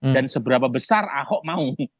dan seberapa besar ahok mau